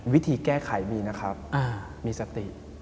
วิธีแก้ไขมีนะครับมีสติ